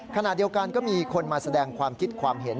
ขณะเดียวกันก็มีคนมาแสดงความคิดความเห็น